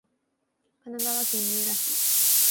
神奈川県三浦市